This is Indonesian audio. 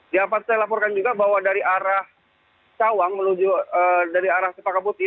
ya pas saya laporkan juga bahwa dari arah cawang dari arah sepaka putih